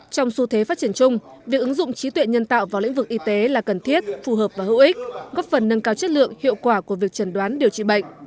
trong xu thế phát triển chung việc ứng dụng trí tuệ nhân tạo vào lĩnh vực y tế là cần thiết phù hợp và hữu ích góp phần nâng cao chất lượng hiệu quả của việc trần đoán điều trị bệnh